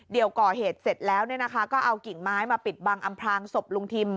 เดี๋ยวก่อเหตุเสร็จแล้วก็เอากิ่งไม้มาปิดบังอำพลางศพลุงทิม